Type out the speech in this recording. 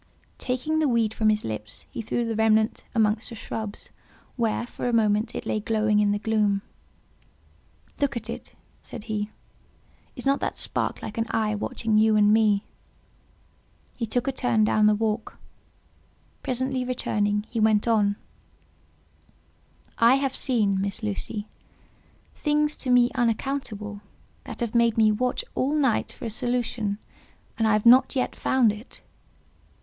Taking the weed from his lips, he threw the remnant amongst the shrubs, where, for a moment, it lay glowing in the gloom. "Look, at it," said he: "is not that spark like an eye watching you and me?" He took a turn down the walk; presently returning, he went on:—"I have seen, Miss Lucy, things to me unaccountable, that have made me watch all night for a solution, and I have not yet found it."